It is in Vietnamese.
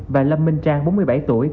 và lâm minh trang bốn mươi bảy tuổi